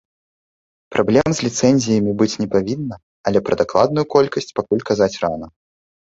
Праблем з ліцэнзіямі быць не павінна, але пра дакладную колькасць пакуль казаць рана.